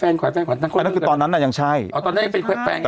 แฟนขวัญแฟนขวัญอันนั้นคือตอนนั้นน่ะยังใช่อ๋อตอนนั้นยังเป็นแฟนอยู่